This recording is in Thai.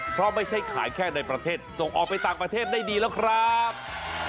เพราะไม่ใช่ขายแค่ในประเทศส่งออกไปต่างประเทศได้ดีแล้วครับ